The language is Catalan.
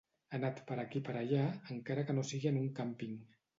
Anat per aquí per allà, encara que no sigui en un càmping.